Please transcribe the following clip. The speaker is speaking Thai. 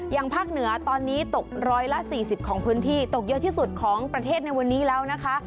อย่างภาคเหนือตอนนี้ตกร้อยละสี่สิบของพื้นที่ตกเยอะที่สุดของประเทศในวันนี้แล้วนะคะ